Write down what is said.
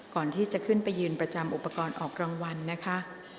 ก่อนที่จะขึ้นไปยืนประจำอุปกรณ์ออกรางวัลนะคะ